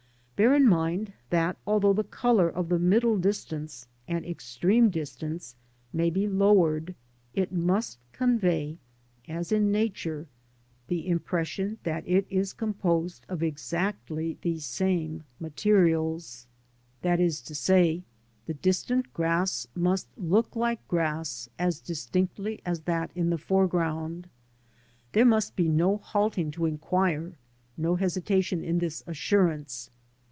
Bear in mind that, although the colour of the middle distance and extreme distance may be lowered, it must convey (as in Nature) the impression that it is composed of exactly the same ♦ See chapter on " Skies " (p. 64). 22 LANDSCAPE PAINTING IN OIL COLOUR. materials ; that is to say, the distant grass must look like grass as distinctly as that in the foreground. There must be no halting to inquire, no hesitation in this assurance.